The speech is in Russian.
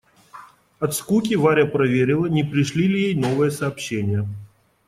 От скуки Варя проверила, не пришли ли ей новые сообщения.